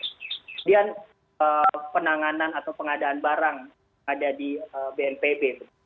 kemudian penanganan atau pengadaan barang ada di bnpb